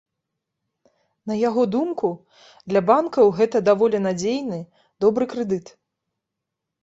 На яго думку, для банкаў гэта даволі надзейны, добры крэдыт.